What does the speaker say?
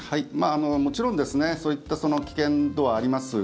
もちろんそういった危険度はあります。